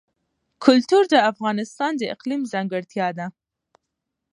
کلتور د افغانستان د اقلیم ځانګړتیا ده.